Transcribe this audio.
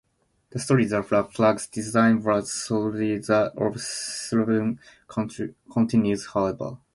The story that the flag's design was solely that of Slevin continues, however.